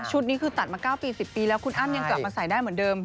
นี้คือตัดมา๙ปี๑๐ปีแล้วคุณอ้ำยังกลับมาใส่ได้เหมือนเดิม